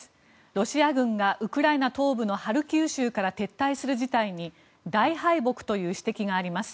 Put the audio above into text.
ロシア軍がウクライナ東部のハルキウ州から撤退する事態に大敗北という指摘があります。